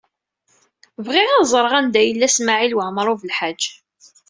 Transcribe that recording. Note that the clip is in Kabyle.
Bɣiɣ ad ẓreɣ anda yella Smawil Waɛmaṛ U Belḥaǧ.